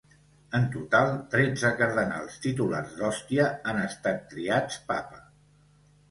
En total, tretze cardenals titulars d'Òstia han estat triats Papa.